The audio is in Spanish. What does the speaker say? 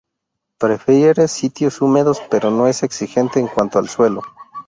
Prefiere sitios húmedos, pero no es exigente en cuanto al suelo.